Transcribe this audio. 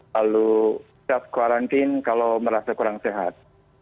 lalu setelah kuarantin kalau merasa kurang sehat